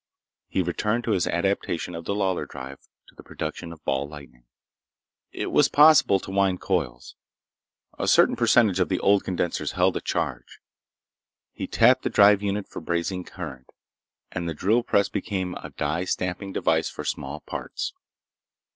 He returned to his adaptation of the Lawlor drive to the production of ball lightning. It was possible to wind coils. A certain percentage of the old condensers held a charge. He tapped the drive unit for brazing current, and the drill press became a die stamping device for small parts.